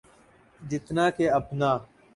جتنا کہ اپنا۔